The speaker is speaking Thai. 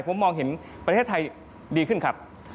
ผมมองเห็นประเทศไทยดีขึ้นครับ